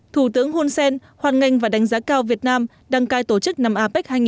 thủ tướng hunsen hoàn nganh và đánh giá cao việt nam đăng cai tổ chức năm apec hai nghìn một mươi bảy